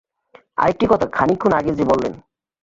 আরেকটি কথা, খানিকক্ষণ আগে যে বললেন।